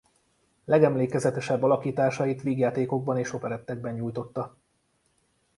Legemlékezetesebb alakításait vígjátékokban és operettekben nyújtotta.